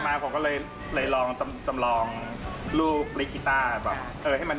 พอมาผมก็เลยลองจำลองรูปปริ๊กกิต้า